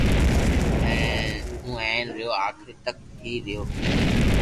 ھون ھين رھيو آخري تڪ ھي رھيو ھون